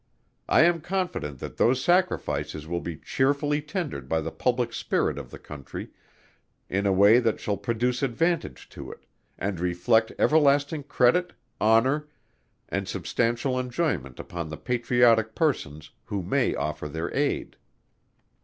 I am confident that those sacrifices will be cheerfully tendered by the public spirit of the Country in a way that shall produce advantage to it, and reflect everlasting credit, honor and substantial enjoyment upon the patriotic persons who may offer their aid.